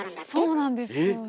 そうなんですよね。